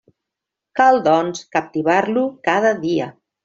Cal, doncs, captivar-lo cada dia.